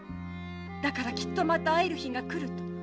「だからきっとまた会える日がくる」と。